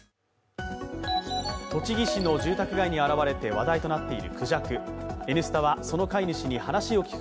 栃木市の住宅街に現れて話題となっているくじゃく。